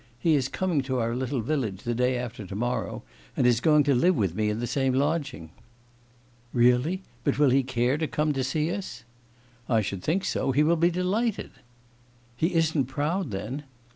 He is coming to our little village the day after tomorrow, and is going to live with me in the same lodging.' 'Really? But will he care to come to see us?' 'I should think so. He will be delighted.' 'He isn't proud, then?